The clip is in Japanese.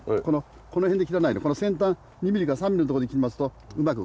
この辺で切らないで先端２ミリか３ミリのところで切りますとうまく。